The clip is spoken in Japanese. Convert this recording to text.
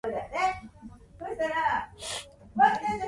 青森県新郷村